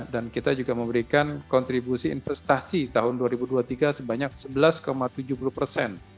dan kita juga memberikan kontribusi investasi tahun dua ribu dua puluh tiga sebanyak sebelas tujuh puluh persen